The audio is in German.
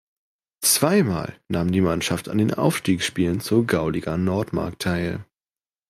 Zweimal nahm die Mannschaft an den Aufstiegsspielen zur Gauliga Nordmark teil.